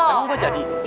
emang gue jadi